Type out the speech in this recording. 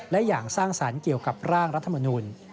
และอย่างสร้างสรรค์เกี่ยวกับร่างรัฐมนุน